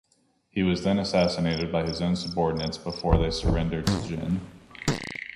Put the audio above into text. He was then assassinated by his own subordinates before they surrendered to Jin.